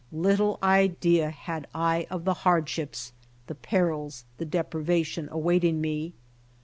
Little idea had I of the hardships, the perils, the deprivation awaiting me.